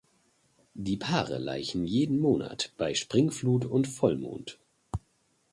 Die Paare laichen jeden Monat bei Springflut und Vollmond.